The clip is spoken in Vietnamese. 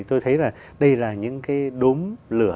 tôi thấy đây là những đốm lửa